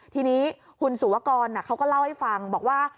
ทีนี้คุณสุวกรเขาก็เล่าให้ฟังบอกว่า